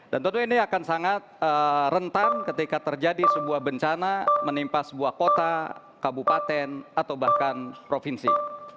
dan tentu ini akan sangat rentan ketika terjadi sebuah bencana menimpa sebuah kota kabupaten atau bahkan provinsi